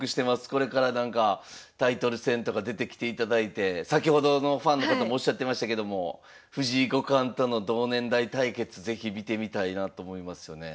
これからなんかタイトル戦とか出てきていただいて先ほどのファンの方もおっしゃってましたけども藤井五冠との同年代対決是非見てみたいなと思いますよね。